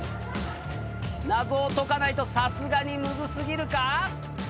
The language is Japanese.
謎を解かないとさすがにむずすぎるか？